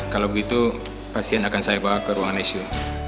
kalau begitu pasien akan saya bawa ke ruang icu